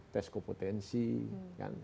tes kompetensi kan